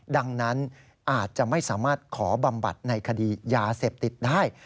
ดังนั้นอาจจะไม่สามารถขอบำบัดในคดียาเสพติดได้